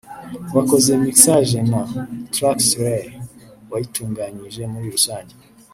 wakoze mixage na Truckslayer wayitunganyije muri rusange